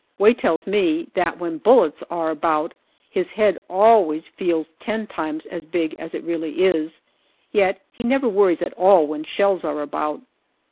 Way tells me that when bullets are about his head always feels ten times as big as it really is. Yet he never worries at all when shells are about.